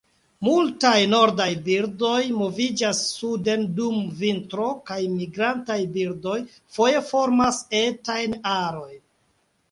Multaj nordaj birdoj moviĝas suden dum vintro, kaj migrantaj birdoj foje formas etajn arojn.